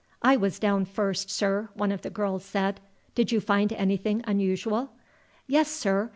"I was down first, sir," one of the girls said. "Did you find anything unusual?" "Yes, sir.